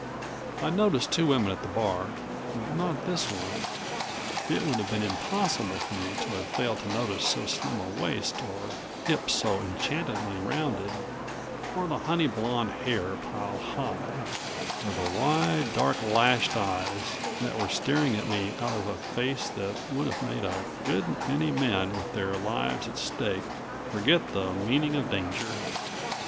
I'd noticed two women at the bar, but not this one it would have been impossible for me to have failed to notice so slim a waist or hips so enchantingly rounded, or the honey blonde hair piled high, or the wide, dark lashed eyes that were staring at me out of a face that would have made a good many men with their lives at stake forget the meaning of danger.